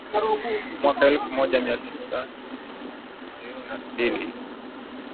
Mwaka elfu moja mia tisa ishirini na mbili